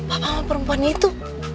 aku mau malu